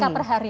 angka per hari